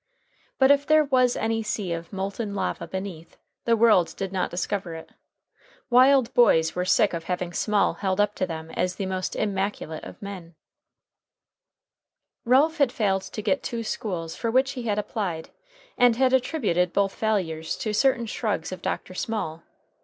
But if there was any sea of molten lava beneath, the world did not discover it. Wild boys were sick of having Small held up to them as the most immaculate of men. Ralph had failed to get two schools for which he had applied, and had attributed both failures to certain shrugs of Dr. Small.